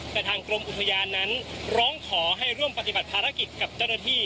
แต่ทางกรมอุทยานนั้นร้องขอให้ร่วมปฏิบัติภารกิจกับเจ้าหน้าที่